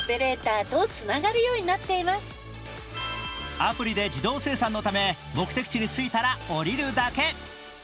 アプリで自動精算のため目的地に着いたら降りるだけ。